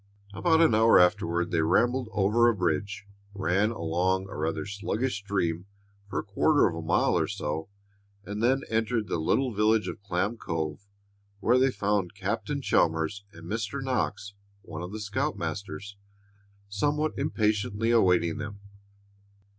About an hour afterward they rumbled over a bridge, ran along a rather sluggish stream for a quarter of a mile or so, and then entered the little village of Clam Cove, where they found Captain Chalmers and Mr. Knox, one of the scoutmasters, somewhat impatiently awaiting them.